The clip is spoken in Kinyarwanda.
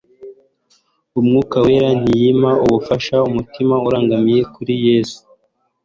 Umwuka Wera ntiyima ubufasha umutima urangamiye kuri Yesu.